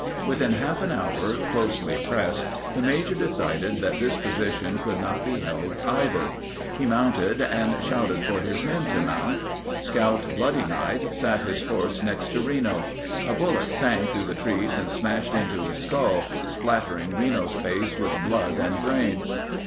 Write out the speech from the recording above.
Within half an hour, closely pressed, the major decided that this position could not be held either. He mounted and shouted for his men to mount. Scout Bloody Knife sat his horse next to Reno. A bullet sang through the trees and smashed into his skull, splattering Reno's face with blood and brains.